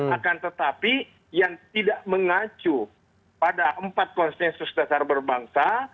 akan tetapi yang tidak mengacu pada empat konsensus dasar berbangsa